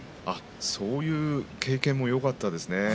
そういう経験もよかったですね。